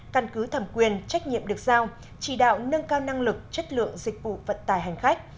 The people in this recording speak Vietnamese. căn cứ thẩm quyền trách nhiệm được giao chỉ đạo nâng cao năng lực chất lượng dịch vụ vận tải hành khách